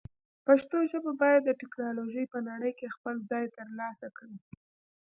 پښتو ژبه باید د ټکنالوژۍ په نړۍ کې خپل ځای ترلاسه کړي.